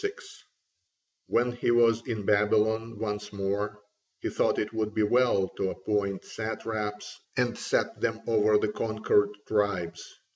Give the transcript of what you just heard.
6] When he was in Babylon once more, he thought it would be well to appoint satraps and set them over the conquered tribes.